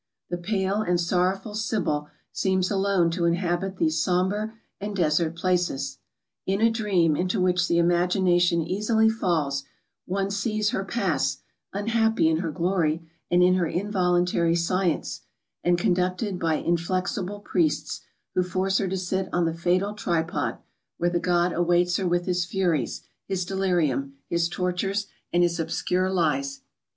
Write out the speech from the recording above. The pale and sorrowful Sibyl seems alone to inhabit these sombre and desert places. In a dream into which the imagination easily falls, one sees her pass, unhappy in her glory and in her involuntary science, and conducted by inflexible priests, who force her to sit on the fatal tripod, where the god awaits her with his furies, his delirium, his tortures, and his obscure lies.